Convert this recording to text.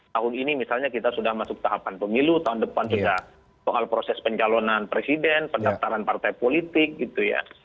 tahun ini misalnya kita sudah masuk tahapan pemilu tahun depan sudah soal proses pencalonan presiden pendaftaran partai politik gitu ya